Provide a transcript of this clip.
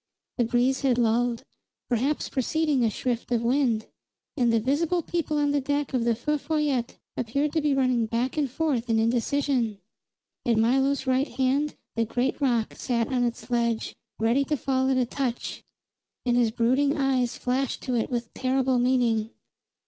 The breeze had lulled, perhaps preceding a shift of wind; and the visible people on the deck of the Feu Follette appeared to be running back and forth in indecision. At Milo's right hand the great rock sat on its ledge, ready to fall at a touch, and his brooding eyes flashed to it with terrible meaning.